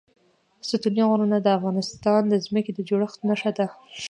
ستوني غرونه د افغانستان د ځمکې د جوړښت نښه ده.